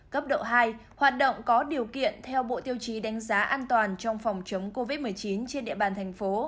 cấp độ hai hoạt động có điều kiện theo bộ tiêu chí đánh giá an toàn trong phòng chống covid một mươi chín trên địa bàn thành phố